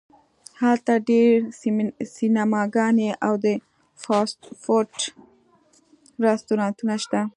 هلته ډیر سینماګانې او د فاسټ فوډ رستورانتونه شته